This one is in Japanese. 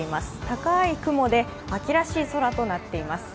高い雲で秋らしい空となっています。